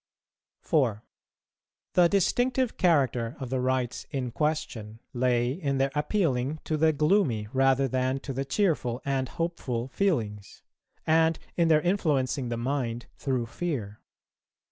4. The distinctive character of the rites in question lay in their appealing to the gloomy rather than to the cheerful and hopeful feelings, and in their influencing the mind through fear.